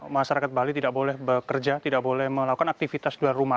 masyarakat bali tidak boleh bekerja tidak boleh melakukan aktivitas di luar rumah